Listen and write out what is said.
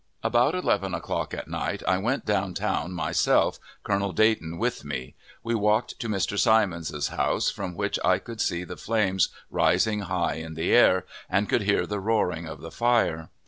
About eleven o'clock at night I went down town myself, Colonel Dayton with me; we walked to Mr. Simons's house, from which I could see the flames rising high in the air, and could hear the roaring of the fire.